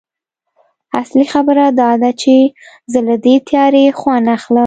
اصلي خبره دا ده چې زه له دې تیارې خوند اخلم